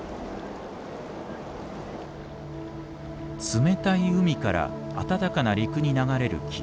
冷たい海から暖かな陸に流れる霧。